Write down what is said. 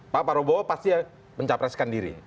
pak prabowo pasti mencapreskan diri